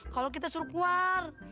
kalo kita suruh keluar